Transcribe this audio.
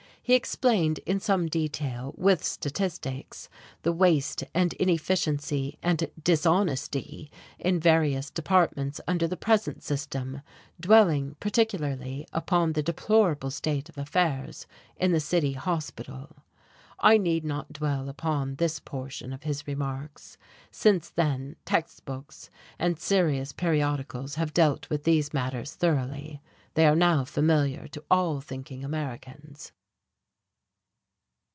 He explained in some detail, with statistics, the waste and inefficiency and dishonesty in various departments under the present system, dwelling particularly upon the deplorable state of affairs in the city hospital. I need not dwell upon this portion of his remarks. Since then text books and serious periodicals have dealt with these matters thoroughly. They are now familiar to all thinking Americans.